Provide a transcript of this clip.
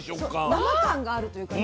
生感があるというかね。